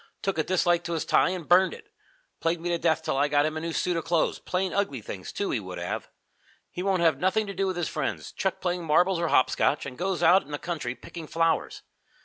Took a dislike to his tie and burned it. Plagued me to death till I got him a new suit of clothes plain, ugly things, too, he would have. He won't have nothing to do with his friends, chucked playing marbles or hopscotch, and goes out in the country, picking flowers.